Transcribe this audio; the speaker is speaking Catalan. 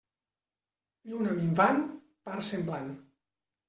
Lluna minvant, part semblant.